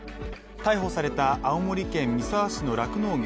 逮捕された青森県三沢市の酪農業